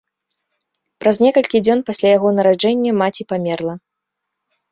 Праз некалькі дзён пасля яго нараджэння маці памерла.